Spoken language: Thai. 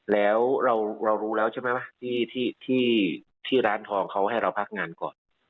แล้วเรารู้แล้วใช่ไหมที่ร้านทองเขาให้เราพักงานก่อน